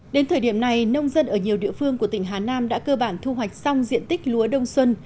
đến thời điểm này nông dân ở nhiều địa phương của tỉnh hà nam đã cơ bản thu hoạch xong diện tích lúa đông xuân